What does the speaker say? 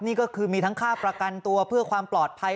นี่ก็คือมีทั้งค่าประกันตัวเพื่อความปลอดภัย